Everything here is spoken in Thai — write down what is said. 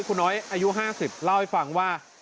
คุณน้อยอายุ๕๐เล่าให้ฟังว่า